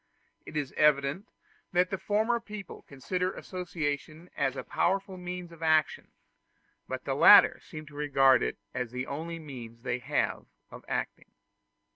It is evident that the former people consider association as a powerful means of action, but the latter seem to regard it as the only means they have of acting.